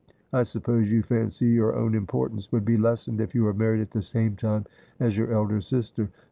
I suppose you fancy your own importance would be lessened if you were married at the same time as your elder sister